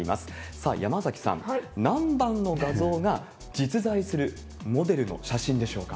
さあ、山崎さん、何番の画像が実在するモデルの写真でしょうか？